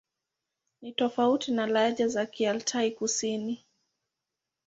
Ni tofauti na lahaja za Kialtai-Kusini.